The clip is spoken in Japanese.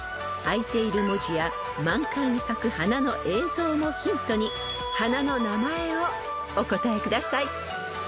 ［あいている文字や満開に咲く花の映像もヒントに花の名前をお答えください］